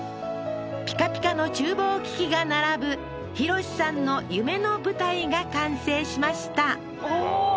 ピカピカの厨房機器が並ぶ浩さんの夢の舞台が完成しましたおおー！